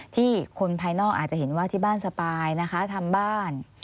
คนภายนอกอาจจะเห็นว่าที่บ้านสปายนะคะทำบ้าน